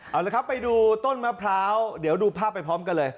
เอาละครับไปดูต้นมะพร้าวเดี๋ยวดูภาพไปพร้อมกันเลย